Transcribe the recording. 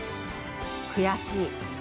悔しい。